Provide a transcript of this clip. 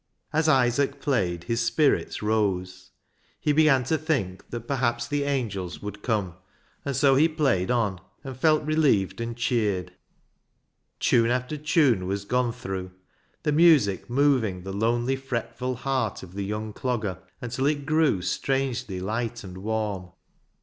As Isaac played, his spirits rose. He began to think that perhaps the angels would come, and so he played on and felt relieved and cheered. Tune after tune was gone through, the music moving the lonely, fretful heart of the young dogger, until it grew strangely light and warm.